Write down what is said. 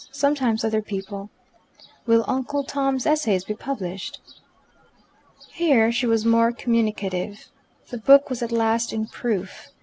Sometimes other people." "Will Uncle Tony's Essays be published?" Here she was more communicative. The book was at last in proof.